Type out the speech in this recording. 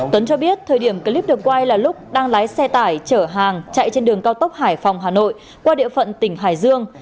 tuấn cho biết thời điểm clip được coi là lúc đang lái xe tải chở hàng chạy trên đường cao tốc hải phòng hà nội qua địa phận tỉnh hải dương